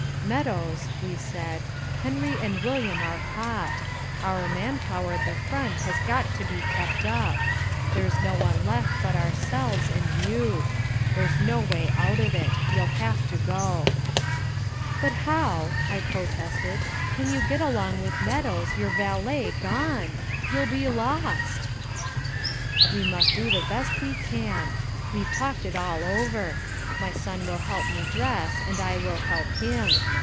'Meadows,' we said, 'Henry and William are caught. Our man power at the front has got to be kept up. There's no one left but ourselves and you. There's no way out of it. You'll have to go.'" "But how," I protested, "can you get along with Meadows, your valet, gone? You'll be lost!" "We must do the best we can. We've talked it all over. My son will help me dress and I will help him.